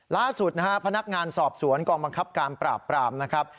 ล่าสุดนะฮะพนักงานสอบสวนกองบังคับการปราบปรามนะครับ